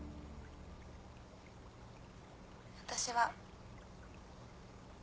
私は。